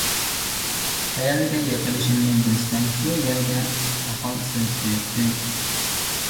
قەيەرگە يىقىلىشىمنى بىلسەم، شۇ يەرگە پاخال سېلىپ قوياتتىم.